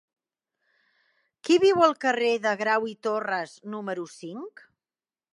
Qui viu al carrer de Grau i Torras número cinc?